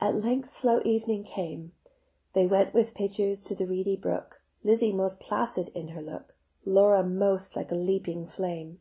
At length slow evening came: They went with pitchers to the reedy brook; Lizzie most placid in her look, Laura most like a leaping flame.